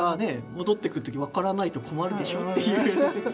戻ってくる時分からないと困るでしょっていう。